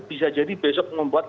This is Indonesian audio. bisa jadi besok membuat